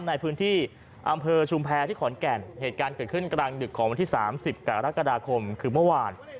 ในพื้นที่อำเภอชุมแพรที่ขอนแก่นเหตุการณ์เกิดขึ้นกลางดึกของวันที่๓๐กรกฎาคมคือเมื่อวาน